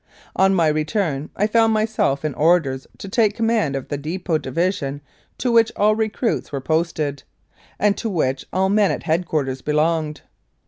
On my return I found myself in Orders to take com mand of the Depot Division to which all recruits were posted, and to which all men at head quarters belonged.